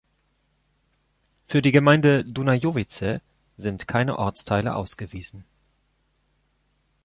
Für die Gemeinde Dunajovice sind keine Ortsteile ausgewiesen.